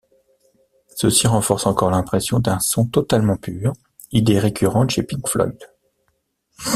Ceci renforce encore l'impression d'un son totalement pur, idée récurrente chez Pink Floyd.